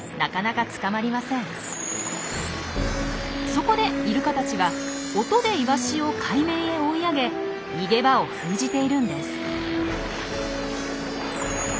そこでイルカたちは音でイワシを海面へ追い上げ逃げ場を封じているんです。